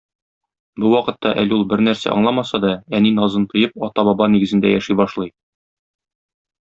Бу вакытта әле ул бернәрсә аңламаса да, әни назын тоеп, ата-баба нигезендә яши башлый.